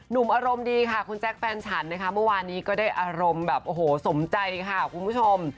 หนุ่มอารมณ์ดีค่ะคุณแจ๊คแฟนฉันนะคะเมื่อวานนี้ก็ได้อารมณ์แบบโอ้โหสมใจค่ะคุณผู้ชม